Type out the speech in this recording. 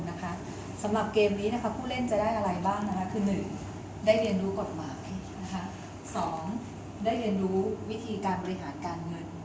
สำหรับเกมนี้ผู้เล่นจะได้อะไรบ้างนะคะคือ๑ได้เรียนรู้กฎหมาย๒ได้เรียนรู้วิธีการบริหารการเงิน